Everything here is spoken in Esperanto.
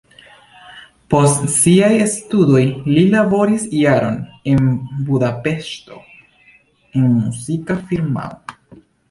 Post siaj studoj li laboris jaron en Budapeŝto en muzika firmao.